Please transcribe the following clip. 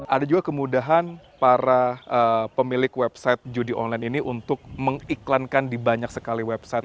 ada juga kemudahan para pemilik website judi online ini untuk mengiklankan di banyak sekali website